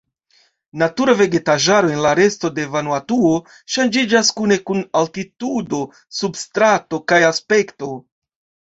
Natura vegetaĵaro en la resto de Vanuatuo ŝanĝiĝas kune kun altitudo, substrato, kaj aspekto.